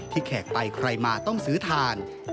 แขกไปใครมาต้องซื้อทาน